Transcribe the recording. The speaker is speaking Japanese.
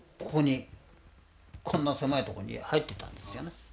ここにこんな狭いとこに入ってたんですよね。